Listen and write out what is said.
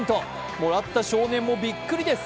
もらった少年もびっくりです。